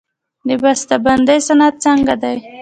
د بسته بندۍ صنعت څنګه دی؟